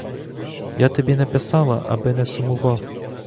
Я тобі не писала, аби не сумував.